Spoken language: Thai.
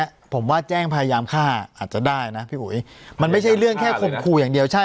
ตามที่ให้การแบบเนี้ยผมว่าแจ้งพยายามฆ่าอาจจะได้นะมันไม่ใช่เรื่องแค่ขุมโภว์อย่างเดียวใช่